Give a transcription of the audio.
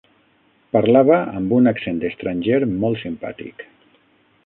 Parlava amb un accent estranger molt simpàtic.